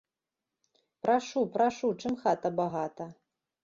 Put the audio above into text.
Прашу, прашу, чым хата багата.